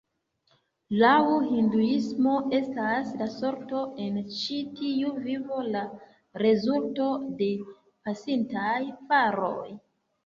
Laŭ Hinduismo estas la sorto en ĉi tiu vivo la rezulto de pasintaj faroj.